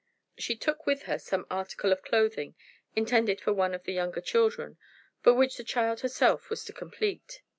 She took with her some article of clothing intended for one of the younger children, but which the child herself was to complete.